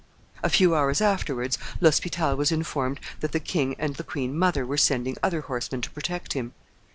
A few hours afterwards, L'Hospital was informed that the king and the queen mother were sending other horsemen to protect him.